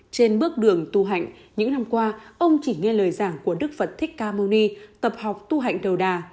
trên bước đường tu hành những năm qua ông chỉ nghe lời giảng của đức phật thích ca mâu ni tập học tu hành đầu đà